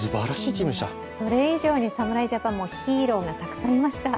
それ以上に侍ジャパンもヒーローがたくさんいました。